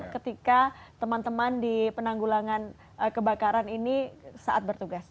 ketika teman teman di penanggulangan kebakaran ini saat bertugas